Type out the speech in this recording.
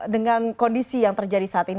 dengan kondisi yang terjadi saat ini